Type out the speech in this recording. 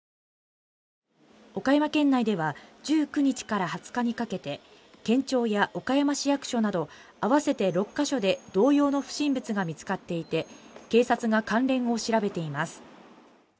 岡山県内では１９日から２０日にかけて、県庁や岡山市役所など合わせて６か所で同様の不審物が見つかっていて、警察が関連を調べています。